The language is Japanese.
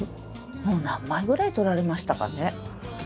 もう何枚ぐらい撮られましたかね？